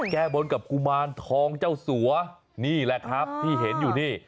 แก้บนกับกุมารทองเจ้าสัวนี่แหละครับที่เห็นอยู่นี่